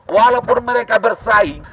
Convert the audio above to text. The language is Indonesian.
walaupun mereka bersaing